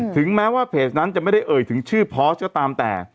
ถึงแม้ว่าเพจนั้นจะไม่ได้เอ่ยถึงชื่อพอสก็ตามแต่